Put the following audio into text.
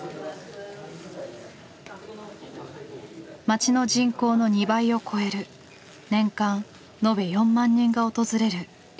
町の人口の２倍を超える年間延べ４万人が訪れるリハビリ室。